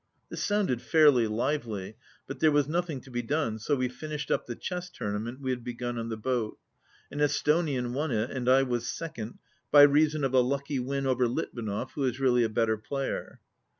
This sounded fairly lively, but there was noth ing to be done, so we finished up the chess tourna ment we had begun on the boat. An Esthonian won it, and I was second, by reason of a lucky win over Litvinov, who is really a better player.